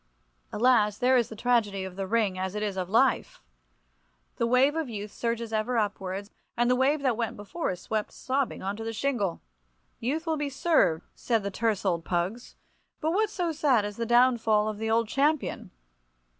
Alas, there is the tragedy of the ring as it is of life! The wave of youth surges ever upwards, and the wave that went before is swept sobbing on to the shingle. "Youth will be served," said the terse old pugs. But what so sad as the downfall of the old champion!